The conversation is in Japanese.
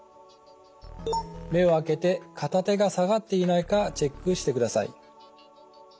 目を開けて片手が下がっていないかチェックしてください。